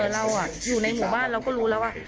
เราอยู่ในหมู่บ้านเราก็รู้แล้วว่า